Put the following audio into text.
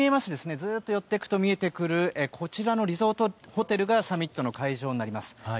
ずっと寄っていくと見えてくるリゾートホテルがサミットの会場になります。